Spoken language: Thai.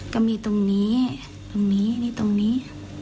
ก็มีตรงนี้ตรงนี้นี่ตรงนี้